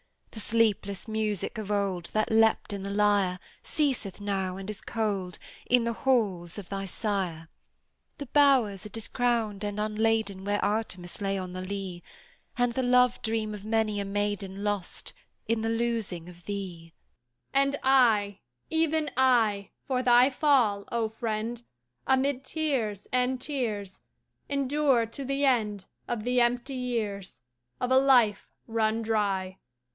The sleepless music of old, That leaped in the lyre, Ceaseth now, and is cold, In the halls of thy sire. The bowers are discrowned and unladen Where Artemis lay on the lea; And the love dream of many a maiden Lost, in the losing of thee. A Maiden And I, even I, For thy fall, O Friend, Amid tears and tears, Endure to the end Of the empty years, Of a life run dry.